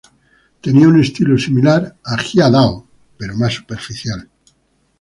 Tenía un estilo similar a Jia Dao, pero más superficial.